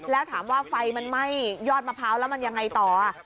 แล้วถามว่าไฟมันไหม้ยอดมะพร้าวแล้วมันยังไงต่อ